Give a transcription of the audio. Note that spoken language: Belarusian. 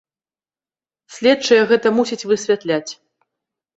Следчыя гэта мусяць высвятляць.